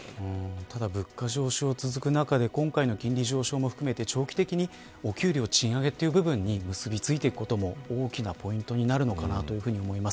ただ物価上昇が続く中で今回の金利上昇も含めて長期的にお給料賃上げという部分に結び付くことも大きなポイントになると思います。